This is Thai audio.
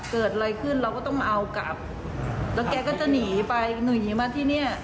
เกิดอะไรขึ้นเราก็ต้องเอากลับแล้วแกก็จะหนีไปหนีมาที่เนี้ย